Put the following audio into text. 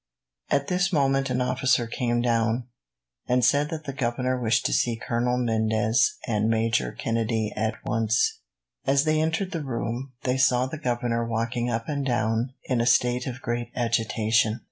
At this moment an officer came down, and said that the governor wished to see Colonel Mendez and Major Kennedy, at once. As they entered the room, they saw the governor walking up and down in a state of great agitation.